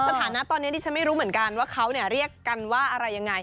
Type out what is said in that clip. สถานะตอนนี้ดิฉันไม่รู้เหมือนกันว่าเขาเรียกกันว่าอะไรยังไง